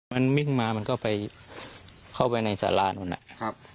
มันมิ่งมามันก็ไปเข้าไปในสารานู้นนะครับ